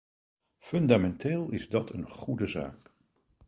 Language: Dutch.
Fundamenteel is dat een goede zaak.